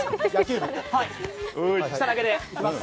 下投げでいきます。